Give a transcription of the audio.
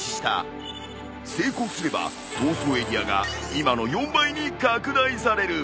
成功すれば逃走エリアが今の４倍に拡大される。